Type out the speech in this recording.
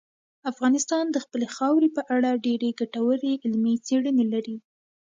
افغانستان د خپلې خاورې په اړه ډېرې ګټورې علمي څېړنې لري.